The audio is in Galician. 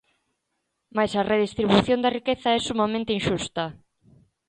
Mais a redistribución da riqueza é sumamente inxusta.